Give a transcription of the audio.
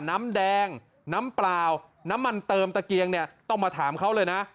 น้ำแดงน้ำเปล่าน้ำมันเติมตะเกียงเนี่ยต้องมาถามเขาเลยนะ